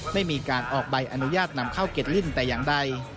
ไม่มีการออกใบอนุญาตนำเข้าเก็ดลิ้นแต่อย่างใด